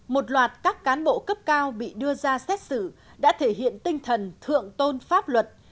một loạt các cán bộ cấp cao bị đưa ra xét xử đã thể hiện tinh thần thượng tôn pháp luật